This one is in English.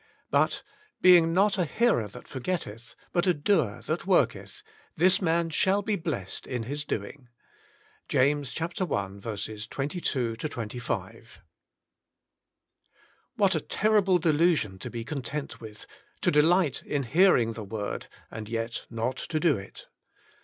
But ... being not a hearer that forgetteth, but a doer that worketh, this man shall be blessed in his doing." — James i. 22 25. What a terrible delusion to be content with, to delight in hearing the word, and yet not to do it.